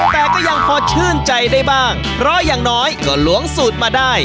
แต่ก็ยังพอชื่นใจได้บ้างเพราะอย่างน้อยก็ล้วงสูตรมาได้